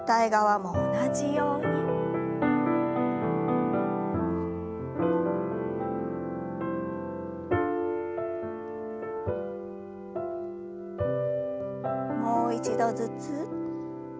もう一度ずつ。